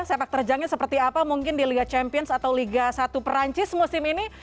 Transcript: sepak terjangnya seperti apa mungkin di liga champions atau liga satu perancis musim ini